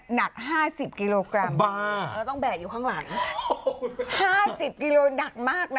หนักห้าสิบกิโลกรัมเราต้องแบกอยู่ข้างหลังห้าสิบกิโลหนักมากนะ